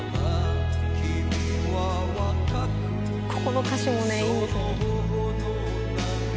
ここの歌詞もね、いいんですよね。